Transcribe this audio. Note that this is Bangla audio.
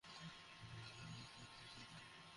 তাদের কেউ একজন আসে আর বলে যে, আমি অমুকের পেছনে লেগেই থাকি।